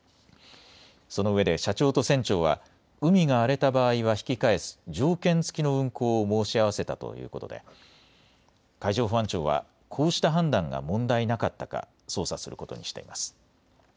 そのうえで社長と船長は海が荒れた場合は引き返す条件付きの運航を申し合わせたということで海上保安庁はこうした判断が問題なかったか捜査することにしています。